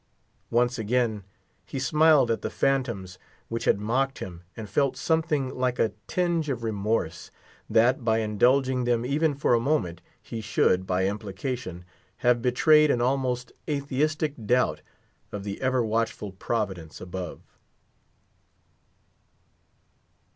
Once again he smiled at the phantoms which had mocked him, and felt something like a tinge of remorse, that, by harboring them even for a moment, he should, by implication, have betrayed an atheist doubt of the ever watchful Providence above.